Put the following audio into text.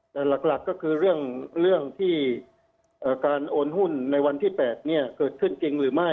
แต่หลักก็คือเรื่องที่การโอนหุ้นในวันที่๘เกิดขึ้นจริงหรือไม่